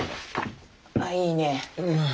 ああいいね。